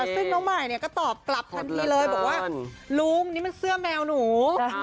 ซึ่งน้องใหม่ก็ตอบกลับทันทีเลยบอกว่าลุงนี่มันเสื้อแมวหนู